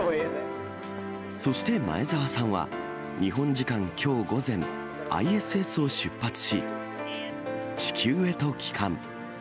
そして前澤さんは、日本時間きょう午前、ＩＳＳを出発し、地球へと帰還。